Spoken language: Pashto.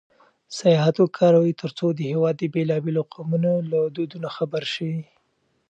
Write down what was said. سیاحت وکاروئ ترڅو د هېواد د بېلابېلو قومونو له دودونو خبر شئ.